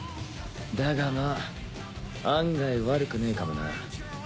だがまあ案外悪くねえかもな。